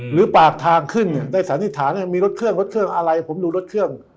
หรือปากทางขึ้นได้สันนิษฐานมีรถเครื่องรถเครื่องอะไรผมดูรถเครื่อง